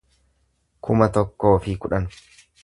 kuma tokkoo fi kudhan